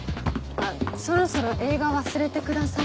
そろそろ映画忘れてください。